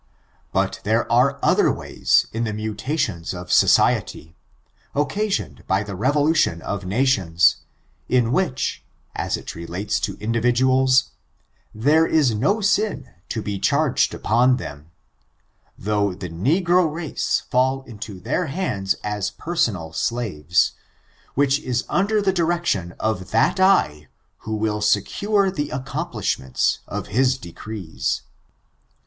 But there are other ways in the mutations of society, occasioned by the revolution of nations, in which, as it relates to individuals, there is no sin to be charged upon them, though the negro race fall into their hands as personal slaves, which is under the direction of that Eye who will secure the accomplishment of his tlecrees.